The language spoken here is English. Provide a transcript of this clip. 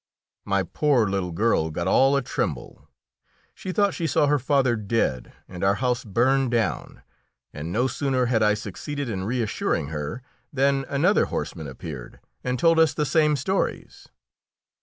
My poor little girl got all a tremble; she thought she saw her father dead and our house burned down, and no sooner had I succeeded in reassuring her than another horseman appeared and told us the same stories.